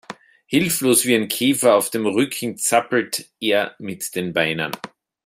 Hilflos wie ein Käfer auf dem Rücken zappelt er mit den Beinen.